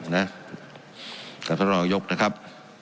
นะจัดรรยกนะครับ